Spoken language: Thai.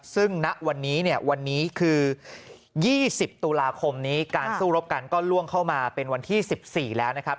ซึ่งณวันนี้เนี่ยวันนี้คือ๒๐ตุลาคมนี้การสู้รบกันก็ล่วงเข้ามาเป็นวันที่๑๔แล้วนะครับ